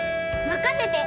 任せて！